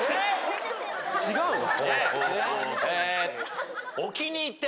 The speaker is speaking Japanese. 違うの？